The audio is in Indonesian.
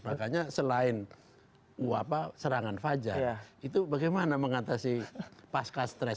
makanya selain serangan fajar itu bagaimana mengatasi pasca stres